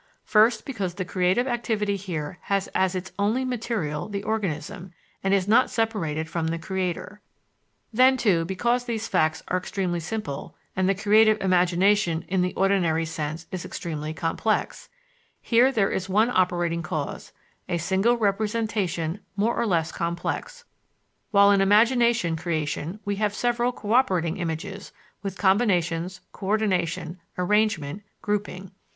First, because the creative activity here has as its only material the organism, and is not separated from the creator. Then, too, because these facts are extremely simple, and the creative imagination, in the ordinary sense, is extremely complex; here there is one operating cause, a single representation more or less complex, while in imaginative creation we have several co operating images with combinations, coördination, arrangement, grouping.